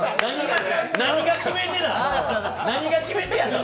何が決め手なん？